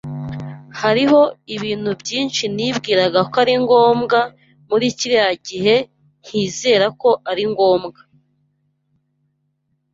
Hariho ibintu byinshi nibwiraga ko ari ngombwa muri kiriya gihe ntizera ko ari ngombwa.